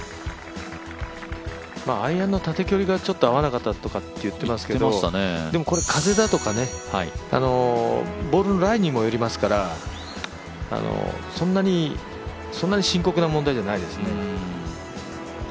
アイアンの縦距離が合わなかったとか言っていましたけど、でもこれ、風だとかボールのランにもよりますからそんなに深刻な問題じゃないですね。